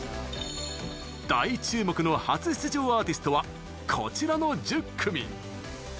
大注目の初出場アーティストはこちらの１０組。